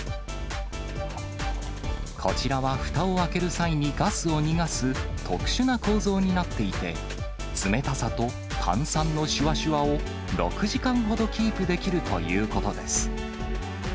こちらはふたを開ける際にガスを逃がす特殊な構造になっていて、冷たさと炭酸のしゅわしゅわを、６時間ほどキープできるということです。